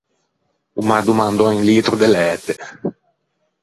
O m’à domandou un litro de læte.